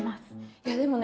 いやでもね